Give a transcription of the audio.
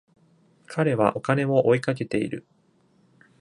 彼はお金を追いかけている。